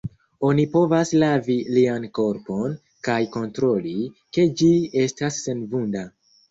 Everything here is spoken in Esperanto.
Oni povas lavi lian korpon, kaj kontroli, ke ĝi estas senvunda.